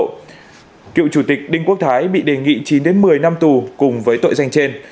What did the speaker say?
cựu chủ tịch đinh quốc thái bị đề nghị chín một mươi năm tù cùng với tội danh trên